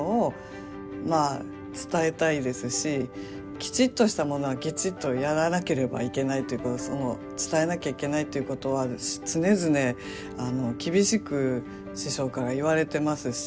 きちっとしたものはきちっとやらなければいけないということその伝えなきゃいけないっていうことは常々厳しく師匠から言われてますし